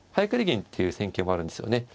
銀っていう戦型もあるんですよね。